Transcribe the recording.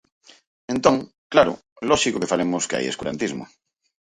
Entón, claro, lóxico que falemos que hai escurantismo.